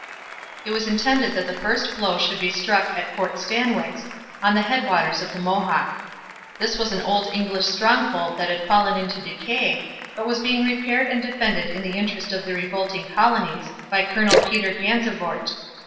It was intended that the first blow should be struck at Fort Stanwix, on the head waters of the Mohawk. This was an old English stronghold that had fallen into decay, but was being repaired and defended in the interest of the revolting colonies by Colonel Peter Gansevoort.